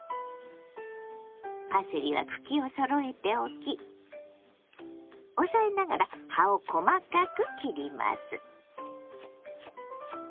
パセリは茎をそろえて置き押さえながら葉を細かく切ります。